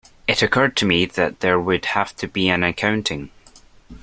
It occurred to me that there would have to be an accounting.